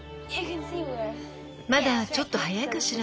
まだちょっと早いかしら？